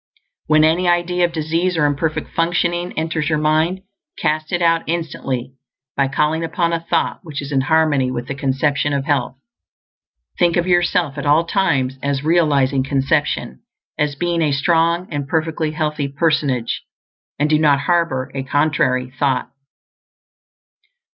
When any idea of disease or imperfect functioning enters your mind, cast it out instantly by calling up a thought which is in harmony with the Conception of Health. Think of yourself at all times as realizing conception; as being a strong and perfectly healthy personage; and do not harbor a contrary thought.